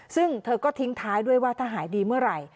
ซึ่งเธอก็ทิ้งท้ายด้วยว่าถ้าหายดีเมื่อไหร่